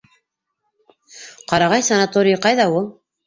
Ҡарағай санаторийы ҡайҙа ул?